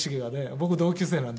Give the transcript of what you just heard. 僕同級生なんですよ」